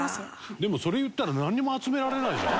でもそれ言ったら何も集められないじゃん。